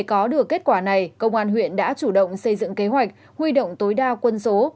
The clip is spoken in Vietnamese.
có được kết quả này công an huyện đã chủ động xây dựng kế hoạch huy động tối đa quân số